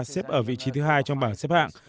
xếp ở vị trí thứ hai trong bảng xếp hạng